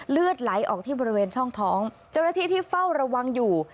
เลือดไหลออกที่บริเวณช่องท้องเจ้าหน้าที่ที่เฝ้าระวังอยู่